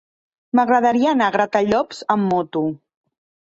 M'agradaria anar a Gratallops amb moto.